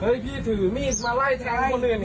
เฮ้ยพี่ถือมีดมาไล่ทางคนเดินอย่างนี้